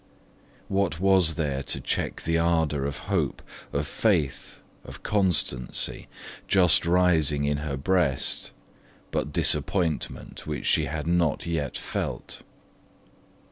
What was there to check the ardour of hope, of faith, of constancy, just rising in her breast, but disappointment which she had not yet felt?